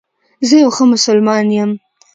زه یو ښه مسلمان یم